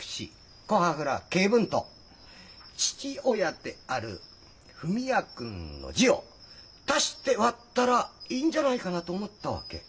古波蔵恵文と父親である文也君の字を足して割ったらいいんじゃないかなと思ったわけ。